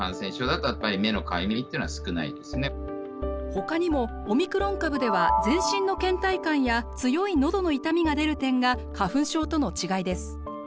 ほかにもオミクロン株では全身のけん怠感や強いのどの痛みが出る点が花粉症との違いです。